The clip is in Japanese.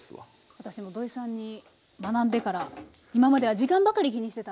私も土井さんに学んでから今までは時間ばかり気にしてたんですけど。